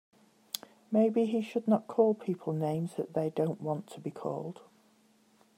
Maybe he should not call people names that they don't want to be called.